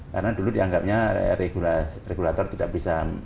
karena dulu dianggapnya regulator tidak bisa menggunakan